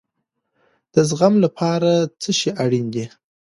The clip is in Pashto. د زغم لپاره څه شی اړین دی؟